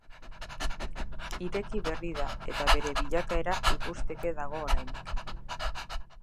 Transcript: Ireki berri da eta bere bilakaera ikusteke dago oraindik.